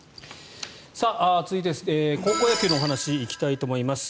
続いて、高校野球の話行きたいと思います。